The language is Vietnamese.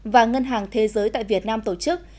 và ngân hàng thế giới tại việt nam tổ chức